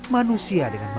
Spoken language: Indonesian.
manusia dengan sang pencipta